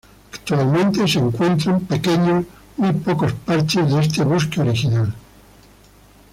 Actualmente se encuentran pequeños muy pocos parches de este bosque original.